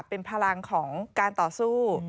เป็นพลังของการต่อสู้